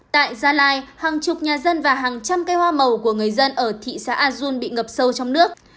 tại gia lai hàng chục nhà dân và hàng trăm cây hoa màu của người dân ở thị xã azun bị ngập sâu trong nước